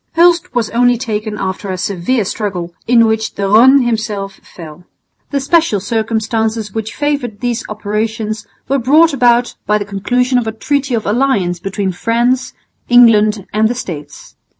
Hulst was only taken after a severe struggle, in which De Rosne himself fell. The special circumstances which favoured these operations were brought about by the conclusion of a treaty of alliance between France, England and the States.